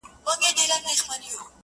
• هره ورځ به دي تور مار بچي څارله -